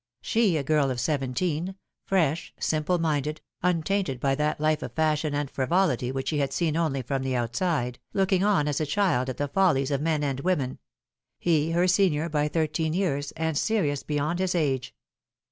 she a girl of seventeen, fresh, simple minded, untainted by that life of fashion and frivolity which she had seen only from the outside, looking on as a child at the follies of men and women be her senior by thirteen years, and serious beyond his age.